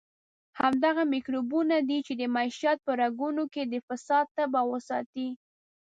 همدغه میکروبونه دي چې د معیشت په رګونو کې د فساد تبه وساتي.